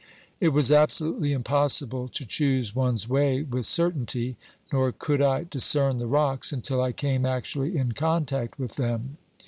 It was absolutely impossible to choose one's way with certainty, nor could I discern the rocks until I came actually in contact with them.